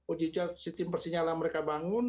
uji coba sistem persinyalan mereka bangun